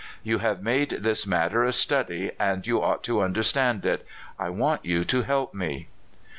You have made this matter a study, and you ought to understand it. I want you to help me."